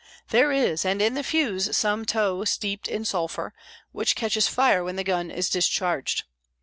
"There is; and in the fuse some tow steeped in sulphur, which catches fire when the gun is discharged.